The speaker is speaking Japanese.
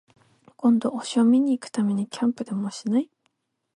今度、星を見に行くためにキャンプでもしない？